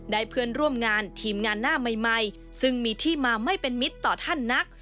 เพื่อนร่วมงานทีมงานหน้าใหม่ซึ่งมีที่มาไม่เป็นมิตรต่อท่านนัก